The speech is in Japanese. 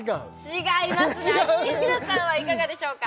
違いますねアッキーナさんはいかがでしょうか？